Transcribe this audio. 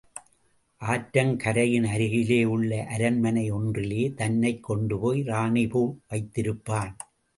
ஆற்றங்கரையின் அருகிலே உள்ள அரண்மனையொன்றிலே தன்னைக் கொண்டுபோய் ராணி போல் வைத்திருப்பான்.